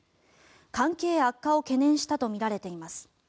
関係悪化を懸念したとみられています。